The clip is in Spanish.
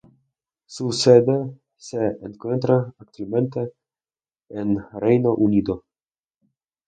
Su sede se encuentra actualmente en Reino Unido.